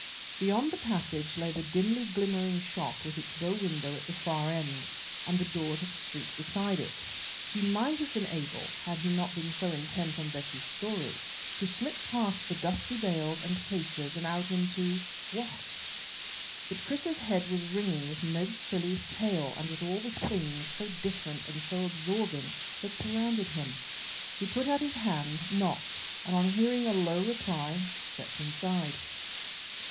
Beyond the passage lay the dimly glimmering shop with its bow window at the far end, and the door to the street beside it. He might have been able, had he not been so intent on Becky's story, to slip past the dusty bales and cases and out into what? But Chris's head was ringing with Ned Cilley's tale, and with all the things, so different and so absorbing, that surrounded him. He put out his hand, knocked, and on hearing a low reply, stepped inside.